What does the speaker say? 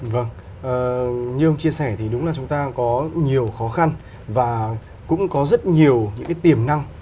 vâng như ông chia sẻ thì đúng là chúng ta có nhiều khó khăn và cũng có rất nhiều những cái tiềm năng